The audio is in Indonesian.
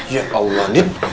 ya allah din